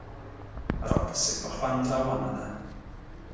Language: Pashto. راپسې په خوند روانه ده.